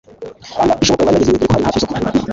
ishoboka bari bageze iwe doreko hari nahafi yisoko